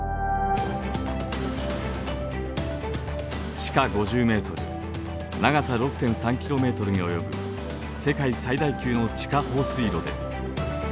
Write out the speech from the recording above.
地下５０ｍ長さ６．３ｋｍに及ぶ世界最大級の地下放水路です。